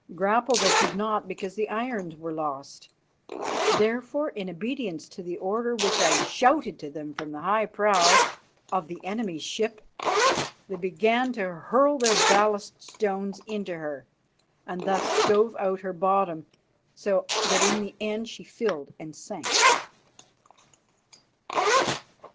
Grapple they could not, because the irons were lost. Therefore, in obedience to the order which I shouted to them from the high prow of the enemy's ship, they began to hurl their ballast stones into her, and thus stove out her bottom, so that in the end she filled and sank.